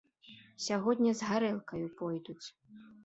Сягоння з гарэлкаю пойдуць.